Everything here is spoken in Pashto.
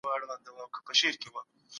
د حقوقو ټولنپوهنه قوانين ارزوي.